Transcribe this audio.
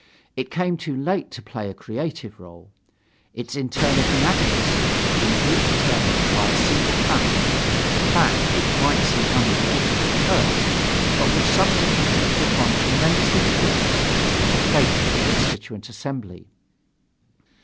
It came too late to play a creative role. Its internal inadequacy had been predetermined by a single fact a fact which might seem unimportant at first, but which subsequently took on tremendous importance for the fate of the Constituent Assembly.